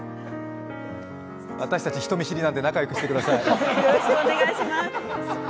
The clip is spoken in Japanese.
私たち、人見知りなので仲よくしてください。